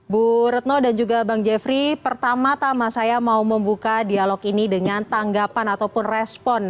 bu retno dan juga bang jeffrey pertama tama saya mau membuka dialog ini dengan tanggapan ataupun respon